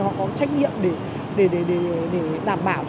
họ có trách nhiệm để đảm bảo